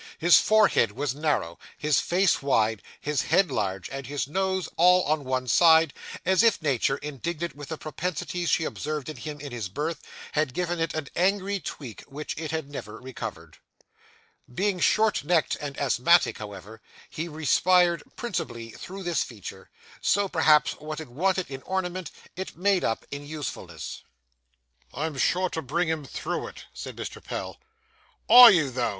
His forehead was narrow, his face wide, his head large, and his nose all on one side, as if Nature, indignant with the propensities she observed in him in his birth, had given it an angry tweak which it had never recovered. Being short necked and asthmatic, however, he respired principally through this feature; so, perhaps, what it wanted in ornament, it made up in usefulness. 'I'm sure to bring him through it,' said Mr. Pell. 'Are you, though?